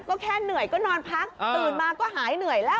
ก็แค่เหนื่อยก็นอนพักตื่นมาก็หายเหนื่อยแล้ว